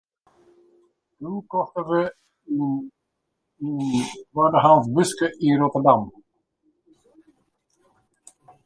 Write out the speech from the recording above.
Doe kochten we in twaddehânsk buske yn Rotterdam.